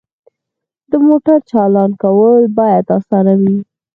د موټر چالان کول باید اسانه وي.